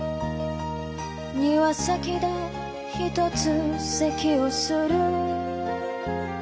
「庭先でひとつ咳をする」